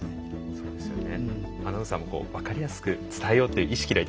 そうですね。